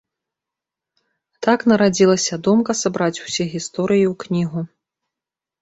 Так нарадзілася думка сабраць усе гісторыі ў кнігу.